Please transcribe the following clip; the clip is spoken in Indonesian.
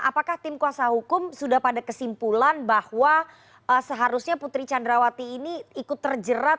apakah tim kuasa hukum sudah pada kesimpulan bahwa seharusnya putri candrawati ini ikut terjerat